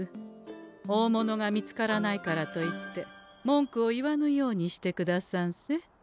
大物が見つからないからといって文句を言わぬようにしてくださんせ。